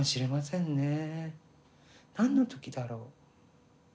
何の時だろう。